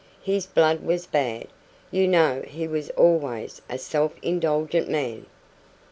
His blood was bad. You know he was always a self indulgent man."